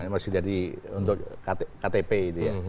masih jadi untuk ktp itu ya